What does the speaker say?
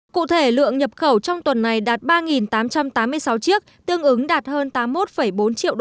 cụ thể lượng nhập khẩu trong tuần này đạt ba tám trăm tám mươi sáu chiếc tương ứng đạt hơn tám mươi một bốn triệu usd